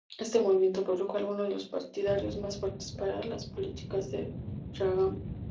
Este movimiento produjo algunos de los partidarios más fuertes para las políticas de Reagan.